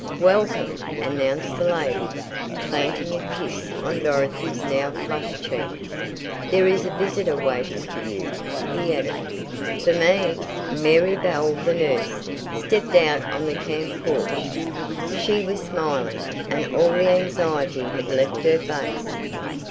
"Welcome!" announced the lady, planting a kiss on Dorothy's now flushed cheek. "There is a visitor waiting for you," he added. "For me?" Mary Bell, the nurse, stepped out on the camp porch. She was smiling, and all the anxiety had left her face.